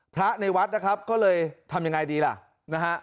พระในวัดนะครับก็เลยทำยังไงดีล่ะนะฮะ